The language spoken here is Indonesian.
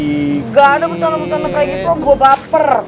nggak ada bercanda bercanda kayak gitu gue baper